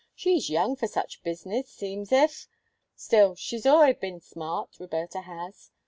She's young for such business, seems's if! Still, she's al'ays been smart, Roberta has.